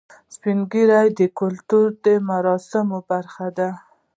سپین ږیری د کلتوري مراسمو برخه دي